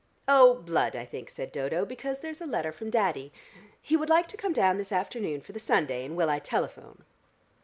"Oh, blood, I think," said Dodo, "because there's a letter from Daddy. He would like to come down this afternoon for the Sunday, and will I telephone?